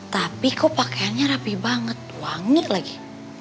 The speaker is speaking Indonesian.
tapi kok pakaiannya rapi banget wangip lagi